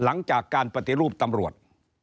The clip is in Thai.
หลังจากการปฏิรูปตำรวจ